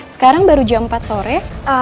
sekarang baru jam empat sore